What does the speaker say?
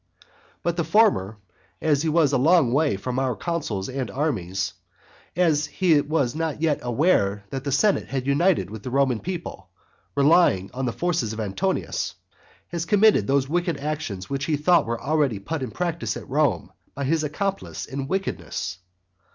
But the former, as he was a long way from our counsels and armies, and as he was not yet aware that the senate had united with the Roman people, relying on the forces of Antonius, has committed those wicked actions which he thought were already put in practice at Rome by his accomplice in wickedness.